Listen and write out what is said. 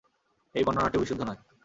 এই বর্ণনাটিও বিশুদ্ধ নয়।